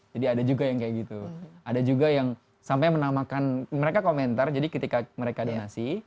jadi ada juga yang kayak gitu ada juga yang sampai menamakan mereka komentar jadi ketika mereka donasi